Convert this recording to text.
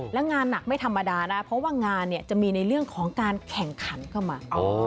แล้วงานหนักไม่ธรรมดานะเพราะว่างานจะมีในเรื่องของการแข่งขันเข้ามา